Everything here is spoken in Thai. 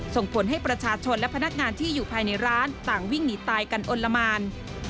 ส่งผลให้ประชาชนและพนักงานที่อยู่ภายในร้านต่างวิ่งหนีตายกันอลละมาน